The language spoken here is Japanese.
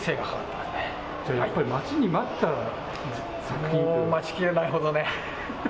やっぱり待ちに待った作品ともう待ちきれないほどね。